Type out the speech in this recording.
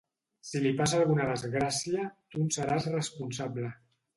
Si li passa alguna desgràcia, tu en seràs responsable.